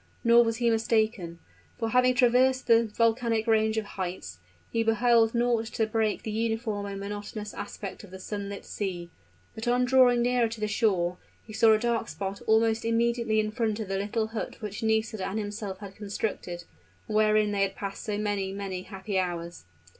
Nor was he mistaken, for having traversed the volcanic range of heights, he beheld naught to break the uniform and monotonous aspect of the sunlit sea. But, on drawing nearer to the shore, he saw a dark spot almost immediately in front of the little hut which Nisida and himself had constructed, and wherein they had passed so many, many happy hours.